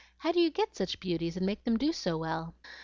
How did you get such beauties, and make them do so well?"